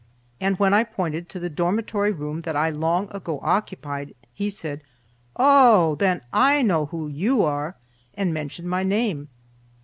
And when I pointed to the dormitory room that I long ago occupied, he said: "Oh! then I know who you are," and mentioned my name.